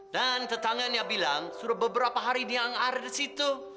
dan tetangganya bilang sudah beberapa hari dia ngarah di situ